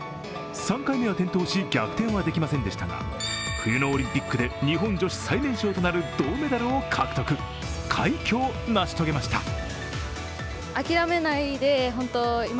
３回目は転倒し、逆転はできませんでしたが冬のオリンピックで日本女子最年少となる銅メダルを獲得快挙を成し遂げました。